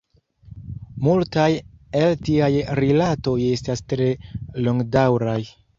Multaj el tiaj rilatoj estas tre longdaŭraj.